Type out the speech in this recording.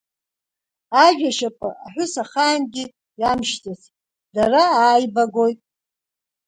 Ажә ашьапы аҳәыс ахаангьы иамшьӡац, дара ааибагоит!